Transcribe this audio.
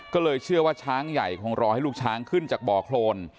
ก็เลยเชื่อว่าช้างใหญ่คงรอให้ลูกช้างขึ้นจากบ่อโครน